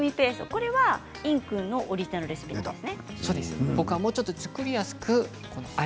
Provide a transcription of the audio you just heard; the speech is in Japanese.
これは、いんくんのオリジナルレシピなんですね。